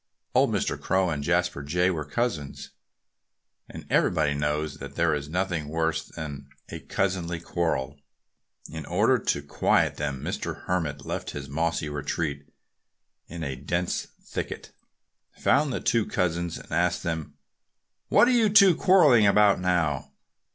Old Mr. Crow and Jasper Jay were cousins. And everybody knows that there is nothing worse than a cousinly quarrel. In order to quiet them, the Hermit left his mossy retreat, in a dense thicket, found the two cousins, and asked them, "What are you two quarrelling about now?"